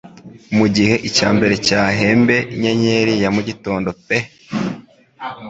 Mugihe icyambere cyahembe inyenyeri ya mugitondo pe